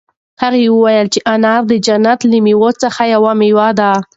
هغه وویل چې انار د جنت له مېوو څخه یوه مېوه ده.